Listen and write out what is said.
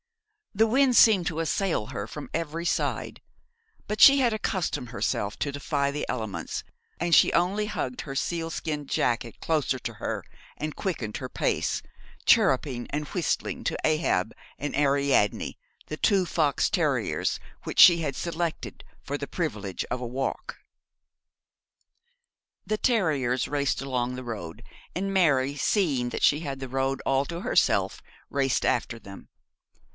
The wind seemed to assail her from every side, but she had accustomed herself to defy the elements, and she only hugged her sealskin jacket closer to her, and quickened her pace, chirruping and whistling to Ahab and Ariadne, the two fox terriers which she had selected for the privilege of a walk. The terriers raced along the road, and Mary, seeing that she had the road all to herself, raced after them.